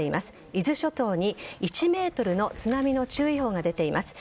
伊豆諸島に１ｍの津波の注意報が出ています。